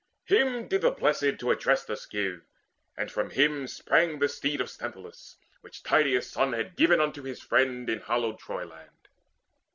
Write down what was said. Him did the Blessed to Adrastus give: And from him sprang the steed of Sthenelus, Which Tydeus' son had given unto his friend In hallowed Troyland.